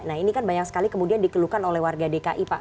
nah ini kan banyak sekali kemudian dikeluhkan oleh warga dki pak